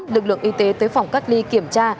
lực lượng y tế tới phòng cách ly kiểm tra